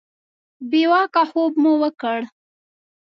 بې واکه خوب مو وکړ.